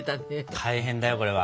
大変だよこれは。